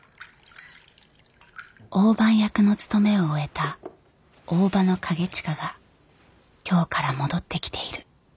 大番役の務めを終えた大庭景親が京から戻ってきている。